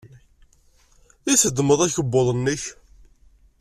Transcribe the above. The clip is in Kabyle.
I teddmeḍ akebbuḍ-nnek?